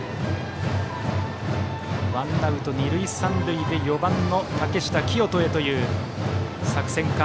ワンアウト、二塁三塁で４番の竹下聖人へという作戦か。